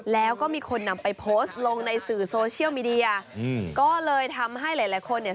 แล้วก็มีคนนำไปโพสต์ลงในสื่อโซเชียลมีเดียอืมก็เลยทำให้หลายหลายคนเนี่ย